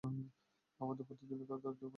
আমাদের প্রতিদিনের খাদ্যের জোগান যাও!